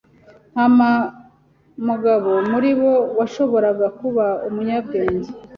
nta mugabo muri bo washoboraga kuba umunyabwenge.